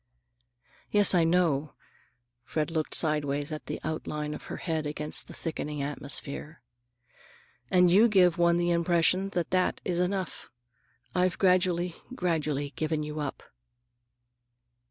"Yes, I know." Fred looked sidewise at the outline of her head against the thickening atmosphere. "And you give one the impression that that is enough. I've gradually, gradually given you up."